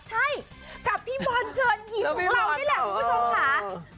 ใช่กับพี่บอลเชิญหยิบของเรานี่แหละคุณผู้ชมค่ะ